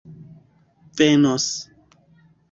venos